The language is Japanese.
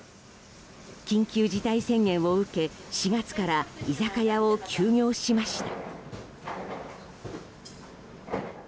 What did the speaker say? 緊急事態宣言を受け４月から居酒屋を休業しました。